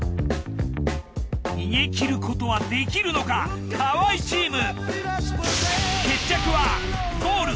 逃げきることはできるのか河合チーム！